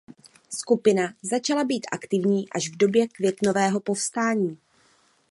Skupina začala být aktivní až v době květnového povstání.